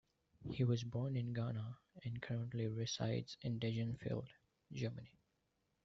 He was born in Ghana and currently resides in Degenfeld, Germany.